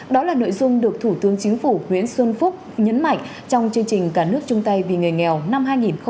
đó là nội dung được thủ tướng chính phủ nguyễn xuân phúc nhấn mạnh trong chương trình cả nước chung tay vì người nghèo năm hai nghìn hai mươi